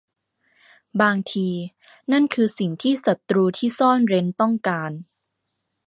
บางที นั่นคือสิ่งที่ศ้ตรูที่ซ่อนเร้นต้องการ